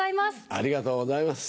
ありがとうございます。